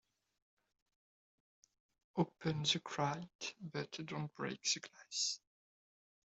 Open the crate but don't break the glass.